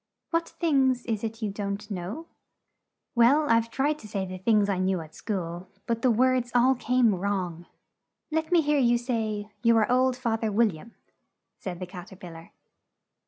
"What things is it you don't know?" "Well, I've tried to say the things I knew at school, but the words all came wrong." "Let me hear you say, 'You are old, Fath er Wil liam,'" said the Cat er pil lar.